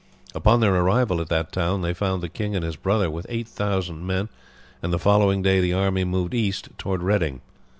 Upon their arrival at that town they found the king and his brother with 8000 men, and the following day the army moved east towards Reading.